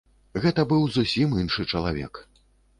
Гэта быў зусім іншы чалавек.